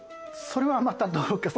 それはまたどうか。